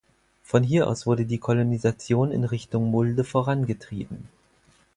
Von hier aus wurde die Kolonisation in Richtung Mulde vorangetrieben.